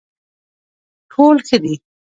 ټول ښه دي.